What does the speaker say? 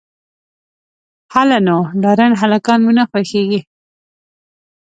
_هله نو، ډارن هلکان مې نه خوښېږي.